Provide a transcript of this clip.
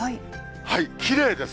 きれいです。